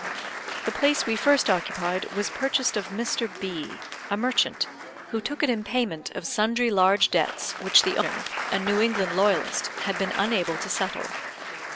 The place we first occupied was purchased of Mr. B , a merchant, who took it in payment of sundry large debts which the owner, a New England loyalist, had been unable to settle.